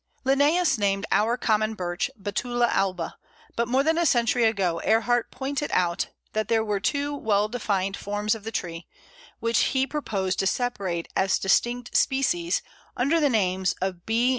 Linnæus named our common Birch Betula alba; but more than a century ago Ehrhart pointed out that there were two well defined forms of the tree, which he proposed to separate as distinct species under the names of _B.